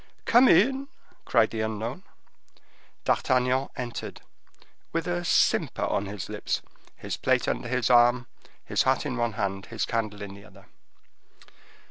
"Come in!" said the unknown. D'Artagnan entered, with a simper on his lips, his plate under his arm, his hat in one hand, his candle in the other.